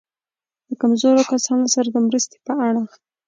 له کمزورو کسانو سره د مرستې په اړه.